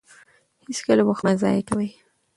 هېڅکله وخت مه ضایع کوئ.